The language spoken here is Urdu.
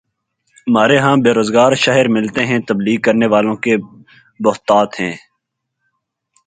ہمارے ہاں بے روزگار شاعر ملتے ہیں، تبلیغ کرنے والوں کی بہتات ہے۔